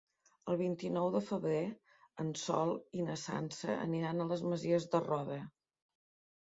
El vint-i-nou de febrer en Sol i na Sança aniran a les Masies de Roda.